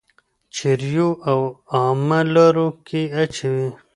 چريو او عامه لارو کي اچوئ.